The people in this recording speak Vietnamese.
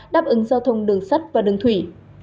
đáp ứng giao thông đường sắt và đường thủy